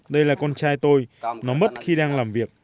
đây là con trai tôi nó mất khi đang làm việc